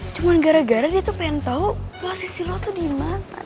cuman gara gara dia tuh pengen tau posisi lo tuh dimana